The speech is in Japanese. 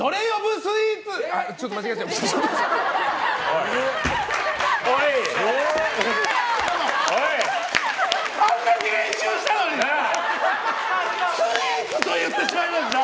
スイーツと言ってしまいました！